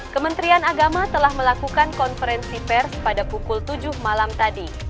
kementerian agama telah melakukan konferensi pers pada pukul tujuh malam tadi